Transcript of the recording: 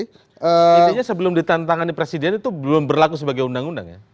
intinya sebelum ditantangani presiden itu belum berlaku sebagai undang undang ya